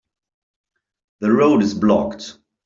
The road is blocked.